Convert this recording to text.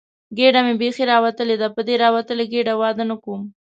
ګېډه مې بیخي راوتلې ده، په دې راوتلې ګېډې واده نه کوم.